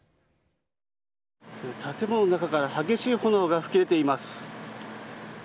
建物の中から激しい炎が噴き出ています。